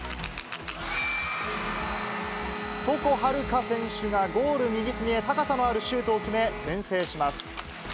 床秦留可選手がゴール右隅へ、高さのあるシュートを決め、先制します。